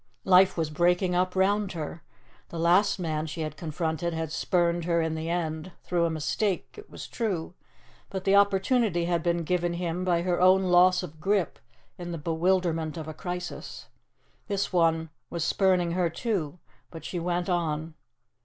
Life was breaking up round her. The last man she had confronted had spurned her in the end through a mistake, it was true but the opportunity had been given him by her own loss of grip in the bewilderment of a crisis. This one was spurning her too. But she went on.